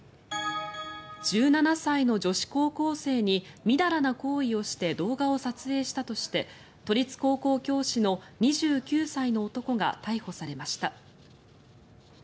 １７歳の女子高校生にみだらな行為をして動画を撮影したとして都立高校教師の２９歳の男が逮捕されました。